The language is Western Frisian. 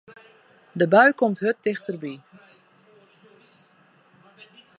De bui komt hurd tichterby.